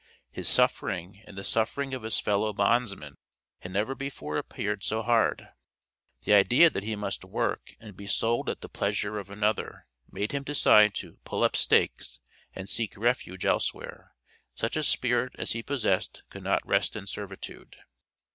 His suffering, and the suffering of his fellow bondsmen had never before appeared so hard. The idea that he must work, and be sold at the pleasure of another, made him decide to "pull up stakes," and seek refuge elsewhere. Such a spirit as he possessed could not rest in servitude.